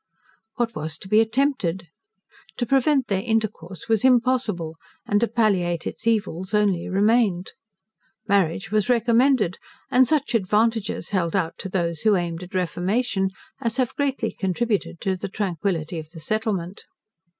What was to be attempted? To prevent their intercourse was impossible; and to palliate its evils only remained. Marriage was recommended, and such advantages held out to those who aimed at reformation, as have greatly contributed to the tranquillity of the settlement.